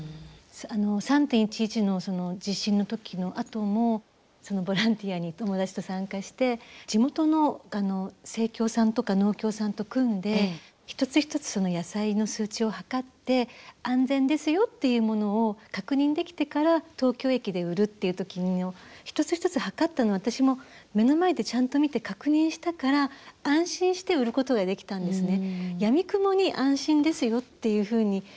３．１１の地震の時のあともそのボランティアに友達と参加して地元の生協さんとか農協さんと組んで一つ一つ野菜の数値を測って安全ですよっていうものを確認できてから東京駅で売るっていう時の一つ一つ測ったのを私も目の前でちゃんと見て確認したから安心して売ることができたんですね。